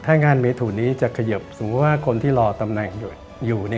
ถ้างานเมทุนนี้จะเขยิบสมมุติว่าคนที่รอตำแหน่งอยู่